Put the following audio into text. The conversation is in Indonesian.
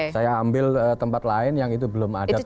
saya ambil tempat lain yang itu belum ada